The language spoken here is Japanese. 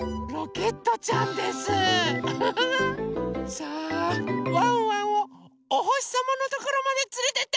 さあワンワンをおほしさまのところまでつれてって！